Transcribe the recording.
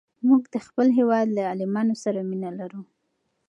موږ د خپل هېواد له عالمانو سره مینه لرو.